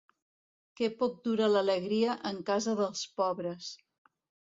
Que poc dura l'alegria en casa dels pobres!